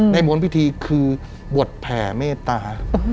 ในหมวนพิธีคือบวชแผ่เมตตา